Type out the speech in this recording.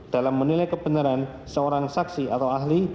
dalam menilai kebenaran seorang saksi atau ahli